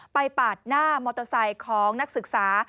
ปาดหน้ามอเตอร์ไซค์ของนักศึกษา